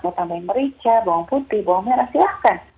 mau tambahin merica bawang putih bawang merah silahkan